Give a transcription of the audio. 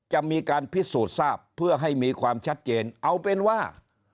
จะมีการพิสูจน์ทราบเพื่อให้มีความชัดเจนเอาเป็นว่า